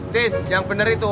tis yang bener itu